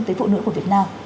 tới phụ nữ của việt nam